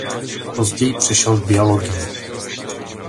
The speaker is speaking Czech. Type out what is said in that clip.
Později přešel k biologii.